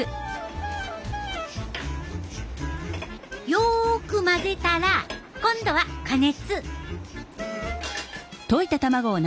よく混ぜたら今度は加熱。